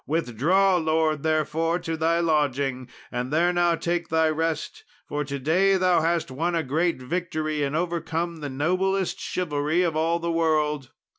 Withdraw, Lord, therefore, to thy lodging, and there now take thy rest, for to day thou hast won a great victory, and overcome the noblest chivalry of all the world.